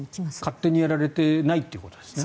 勝手にやられてないということですね。